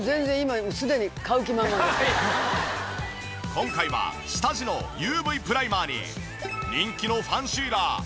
今回は下地のＵＶプライマーに人気のファンシーラー